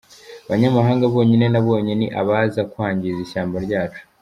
Abanyamahanga bonyine nabonye ni abaza kwangiza ishyamba ryacu.